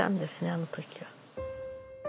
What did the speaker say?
あの時は。